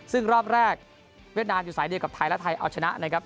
ซึ่งรอบแรกเวียดนามอยู่สายเดียวกับไทยและไทยเอาชนะนะครับ